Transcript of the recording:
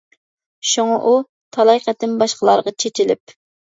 شۇڭا ئۇ، تالاي قېتىم باشقىلارغا چېچىلىپ.